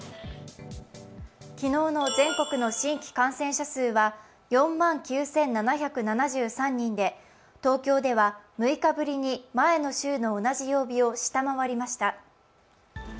昨日の全国の新規感染者数は４万９７７３人で東京では６日ぶりに前の週の同じ曜日を下回りました。